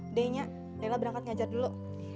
udahnya della berangkat ngajar dulu